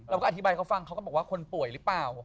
เราก็อธิบายเขาฟังเขาก็บอกว่าคนป่วยหรือเปล่า